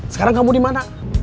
sekarang kamu dimana